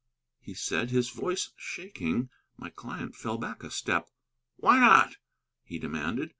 he said, his voice shaking. My client fell back a step. "Why not?" he demanded.